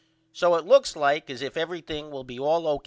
So it looks like as if everything will be all O.